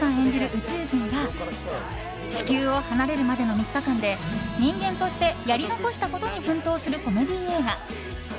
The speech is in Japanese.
宇宙人が地球を離れるまでの３日間で人間としてやり残したことに奮闘するコメディー映画。